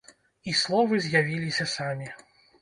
І словы з'явіліся самі.